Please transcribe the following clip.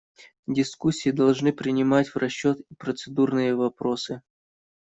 Дискуссии должны принимать в расчет и процедурные вопросы.